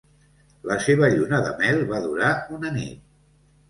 La seva lluna de mel va durar una nit.